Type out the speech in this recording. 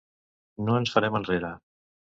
No ens farem enrere!